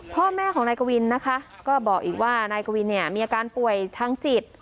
พ่อแม่ของนายกวินนะคะก็บอกอีกว่านายกวินเนี่ยมีอาการป่วยทางจิต